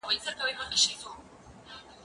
زه هره ورځ د زده کړو تمرين کوم؟